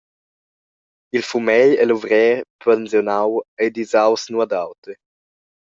Il fumegl e luvrer pensiunau ei disaus nuot auter.